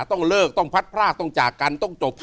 ต้องเลิกต้องพัดพรากต้องจากกันต้องจบ